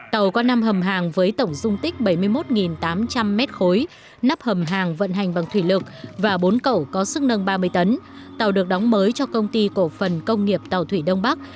tàu có năm hầm hàng với tổng dung tích bảy mươi một tám trăm linh m ba nắp hầm hàng vận hành bằng thủy lực và bốn cẩu có sức nâng ba mươi tấn tàu được đóng mới cho công ty cổ phần công nghiệp tàu thủy đông bắc